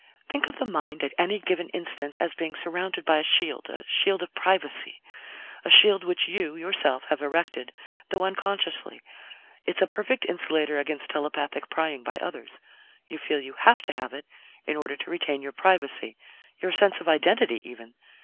"Think of the mind at any given instant as being surrounded by a shield a shield of privacy a shield which you, yourself have erected, though unconsciously. It's a perfect insulator against telepathic prying by others. You feel you have to have it in order to retain your privacy your sense of identity, even.